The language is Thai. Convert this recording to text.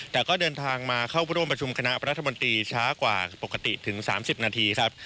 แต่ก็เดินทางมาเข้าร่วมประชุมคณะรัฐมนตรีช้ากว่าปกติถึง๓๐นาทีครับ